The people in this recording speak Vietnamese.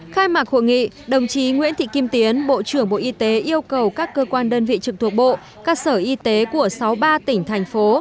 khai mạc hội nghị đồng chí nguyễn thị kim tiến bộ trưởng bộ y tế yêu cầu các cơ quan đơn vị trực thuộc bộ các sở y tế của sáu mươi ba tỉnh thành phố